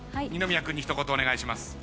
二宮君に一言お願いします。